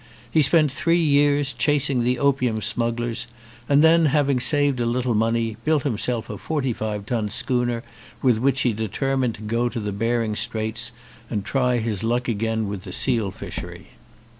He spent three years, chasing the opium smug glers, and then, having saved a little money, built himself a forty five ton schooner with which he determined to go to the Behring Straits and try his luck again with the seal fishery.